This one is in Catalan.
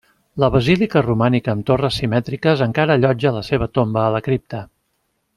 La basílica romànica amb torres simètriques encara allotja la seva tomba a la cripta.